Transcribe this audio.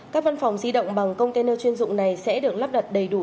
các văn phòng di động bằng container chuyên dụng này sẽ được lắp đặt đầy đủ